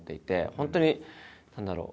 本当に何だろう